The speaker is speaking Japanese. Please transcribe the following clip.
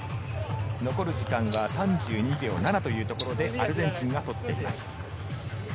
残る時間は３２．７秒というところでアルゼンチンが取っています。